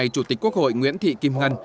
chủ tịch quốc hội nguyễn thị kim ngân